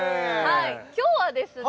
今日はですね